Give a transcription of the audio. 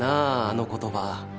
あの言葉。